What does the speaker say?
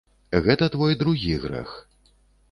Гэта твой другі грэх.